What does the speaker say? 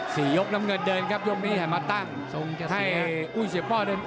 ยกน้ำเงินเดินครับยกนี้ให้มาตั้งทรงจะให้อุ้ยเสียป้อเดิน